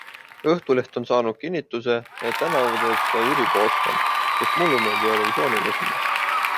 Õhtuleht on saanud kinnituse, et tänavu teeb seda Jüri Pootsmann, kes mullu meid Eurovisionil esindas.